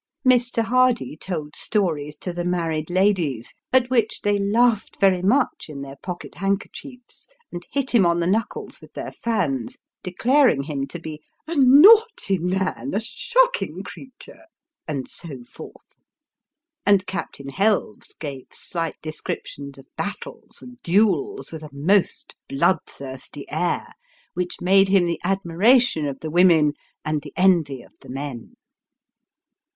Mr. Hardy told stories to the married ladies, at which they laughed very much in their pocket handkerchiefs, and hit him on the knuckles with their fans, declaring him to be "a naughty man a shocking creature " and so forth ; and Captain Helves gave slight descriptions of battles and duels, with a most bloodthirsty air, which made him the admiration of the women, and the envy of the men.